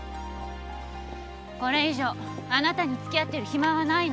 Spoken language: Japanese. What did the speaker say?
これ以上あなたに付き合ってる暇はないの